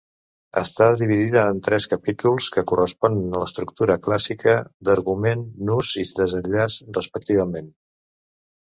Està dividida en tres capítols, que corresponen a l'estructura clàssica d'argument, nus i desenllaç, respectivament.